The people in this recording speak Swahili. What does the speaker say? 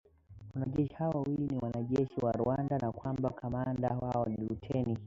wanajeshi hao wawili ni wanajeshi wa Rwanda na kwamba kamanda wao ni Luteni